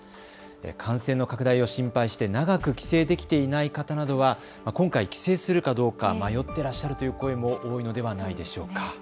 感染の拡大を心配して長く帰省できていない方などは、今回、帰省するかどうか迷ってらっしゃるという声も多いのではないでしょうか。